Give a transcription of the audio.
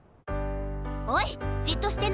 おいじっとしてな！